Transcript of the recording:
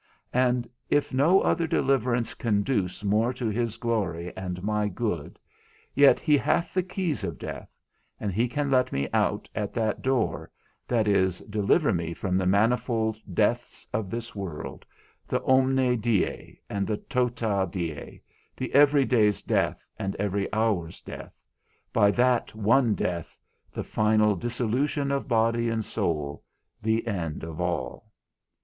And if no other deliverance conduce more to his glory and my good, yet he hath the keys of death, and he can let me out at that door, that is, deliver me from the manifold deaths of this world, the omni die, and the tota die, the every day's death and every hour's death, by that one death, the final dissolution of body and soul, the end of all.